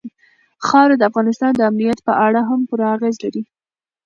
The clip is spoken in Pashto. خاوره د افغانستان د امنیت په اړه هم پوره اغېز لري.